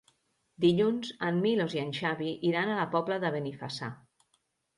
Dilluns en Milos i en Xavi iran a la Pobla de Benifassà.